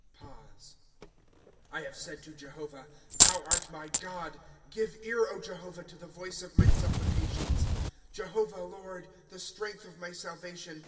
''' I have said to Jehovah : Thou art my God ; Give ear, Jehovah, to the voice of my supplications. '^ Jehovah, Lord, the strength of my salvation.